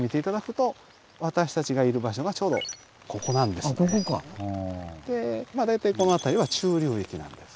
でまあ大体この辺りは中流域なんです。